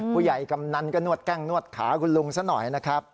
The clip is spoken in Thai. ผู้ใหญ่กำนั้นก็นวดแก้งนวดขาคุณลุงสักหน่อยนะครับ